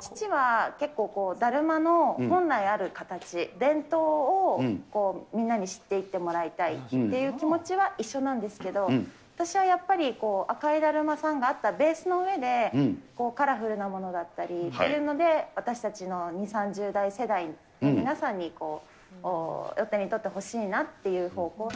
父は結構、だるまの本来ある形、伝統をみんなに知っていってもらいたいっていう気持ちは一緒なんですけど、私はやっぱり赤いだるまさんがあったベースの上で、カラフルなものだったりっていうので、私たちの２、３０代世代の皆さんにお手に取ってほしいという方向。